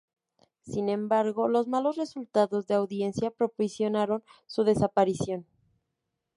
Sin embargo, los malos resultados de audiencia propiciaron su desaparición.